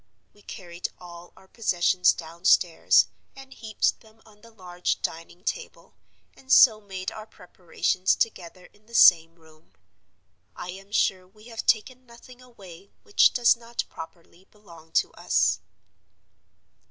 We carried all our possessions downstairs, and heaped them on the large dining table, and so made our preparations together in the same room. I am sure we have taken nothing away which does not properly belong to us.